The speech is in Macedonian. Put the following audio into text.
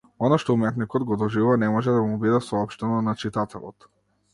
Она што уметникот го доживува, не може да му биде соопштено на читателот.